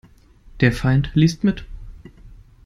Der Feind liest mit.